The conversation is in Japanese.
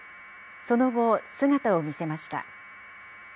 その後、姿を見せました。